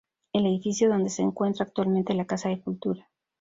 El edificio donde se encuentra actualmente la Casa de Cultura.